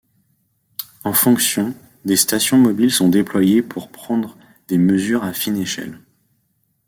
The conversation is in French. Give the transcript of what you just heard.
En Fonction, des stations mobiles sont déployées pour prendre des mesures à fine échelle.